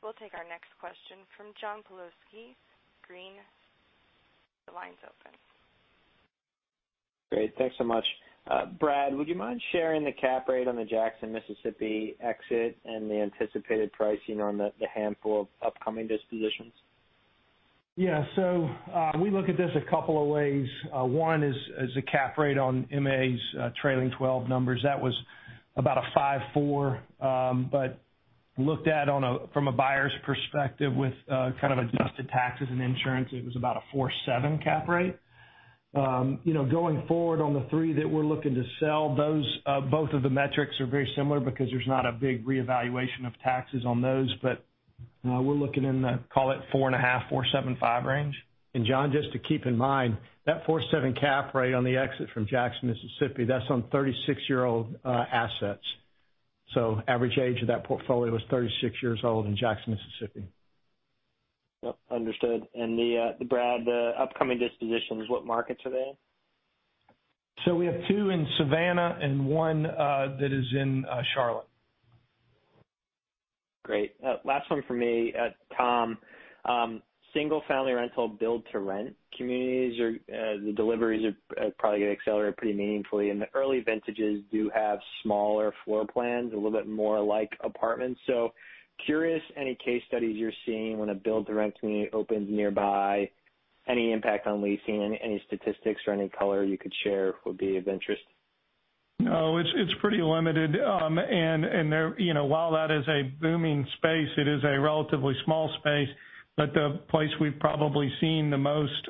We'll take our next question from John Pawlowski, Green. The line's open. Great. Thanks so much. Brad, would you mind sharing the cap rate on the Jackson, Mississippi exit and the anticipated pricing on the handful of upcoming dispositions? We look at this a couple of ways. One is the cap rate on MAA's trailing 12 numbers. That was about a 5.4%. Looked at from a buyer's perspective with kind of adjusted taxes and insurance, it was about a 4.7% cap rate. Going forward on the 3 that we're looking to sell, both of the metrics are very similar because there's not a big reevaluation of taxes on those. We're looking in the, call it, 4.5%-4.75% range. John, just to keep in mind, that 4.7 cap rate on the exit from Jackson, Mississippi, that's on 36-year-old assets. Average age of that portfolio is 36 years old in Jackson, Mississippi. Yep. Understood. Brad, the upcoming dispositions, what markets are they in? We have 2 in Savannah and 1 that is in Charlotte. Great. Last one from me. Tom, single-family rental build to rent communities, the deliveries are probably going to accelerate pretty meaningfully, and the early vintages do have smaller floor plans, a little bit more like apartments. Curious, any case studies you're seeing when a build to rent community opens nearby, any impact on leasing? Any statistics or any color you could share would be of interest. No, it's pretty limited. While that is a booming space, it is a relatively small space. The place we've probably seen the most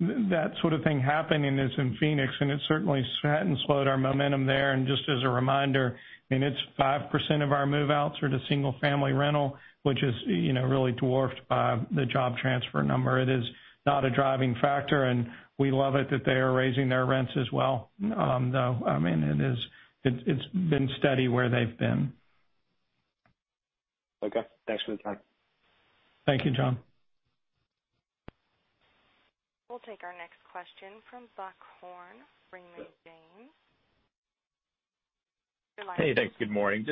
that sort of thing happening is in Phoenix, and it certainly hasn't slowed our momentum there. Just as a reminder, it's 5% of our move-outs are to single-family rental, which is really dwarfed by the job transfer number. It is not a driving factor, and we love it that they are raising their rents as well, though. It's been steady where they've been. Okay. Thanks for the time. Thank you, John. We'll take our next question from Buck Horne, Raymond James. Your line's open. Hey, thanks. Good morning.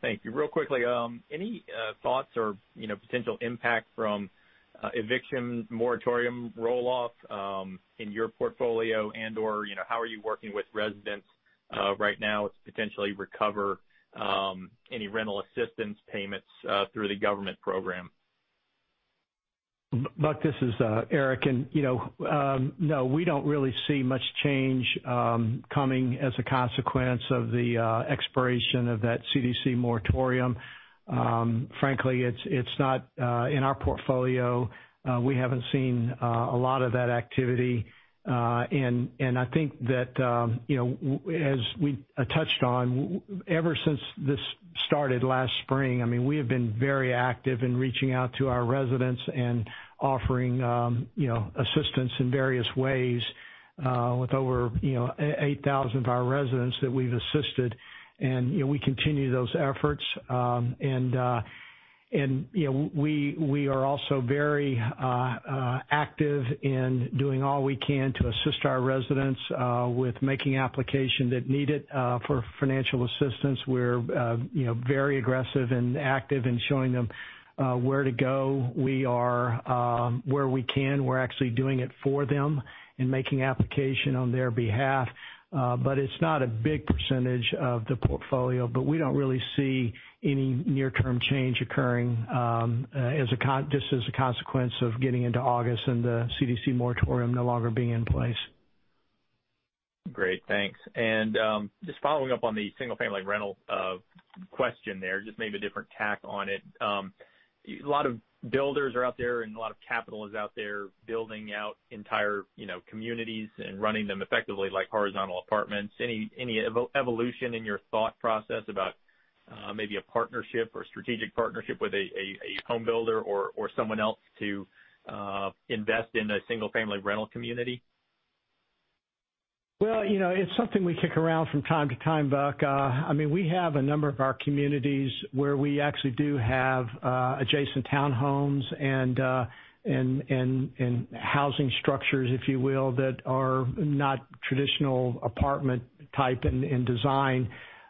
Thank you. Real quickly, any thoughts or potential impact from evictions moratorium roll-off in your portfolio, and/or how are you working with residents right now to potentially recover any rental assistance payments through the government program? Buck, this is Eric. No, we don't really see much change coming as a consequence of the expiration of that CDC moratorium. Frankly, it's not in our portfolio. We haven't seen a lot of that activity. I think that as we touched on, ever since this started last spring, we have been very active in reaching out to our residents and offering assistance in various ways with over 8,000 of our residents that we've assisted. We continue those efforts. We are also very active in doing all we can to assist our residents with making application that need it for financial assistance. We're very aggressive and active in showing them where to go. Where we can, we're actually doing it for them and making application on their behalf. It's not a big percentage of the portfolio, but we don't really see any near-term change occurring just as a consequence of getting into August and the CDC moratorium no longer being in place. Great, thanks. Just following up on the single-family rental question there, just maybe a different tack on it. A lot of builders are out there, and a lot of capital is out there building out entire communities and running them effectively like horizontal apartments. Any evolution in your thought process about maybe a partnership or strategic partnership with a home builder or someone else to invest in a single-family rental community? Well, it's something we kick around from time to time, Buck. We have a number of our communities where we actually do have adjacent townhomes and housing structures, if you will, that are not traditional apartment type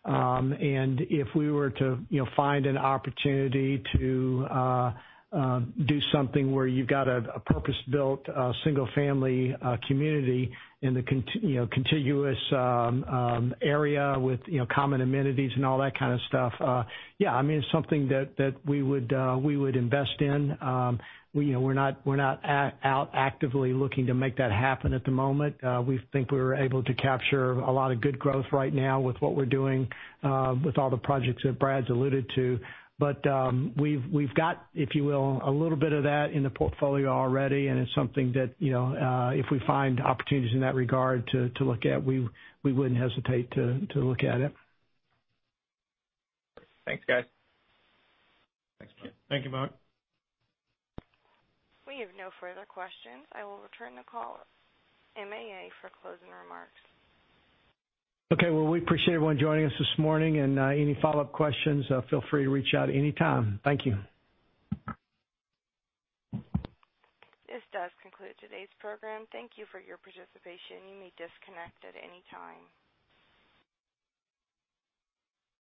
and design. If we were to find an opportunity to do something where you've got a purpose-built single-family community in the contiguous area with common amenities and all that kind of stuff, yeah. It's something that we would invest in. We're not out actively looking to make that happen at the moment. We think we're able to capture a lot of good growth right now with what we're doing with all the projects that Brad's alluded to. We've got, if you will, a little bit of that in the portfolio already, and it's something that if we find opportunities in that regard to look at, we wouldn't hesitate to look at it. Thanks, guys. Thanks, Buck. Thank you, Buck. We have no further questions. I will return the call, MAA, for closing remarks. Well, we appreciate everyone joining us this morning, and any follow-up questions, feel free to reach out anytime. Thank you. This does conclude today's program. Thank you for your participation. You may disconnect at any time.